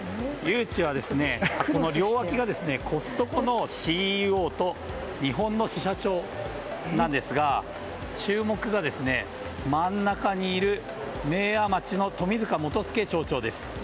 両脇がコストコのＣＥＯと日本の支社長なんですが注目が真ん中にいる明和町の冨塚基輔町長です。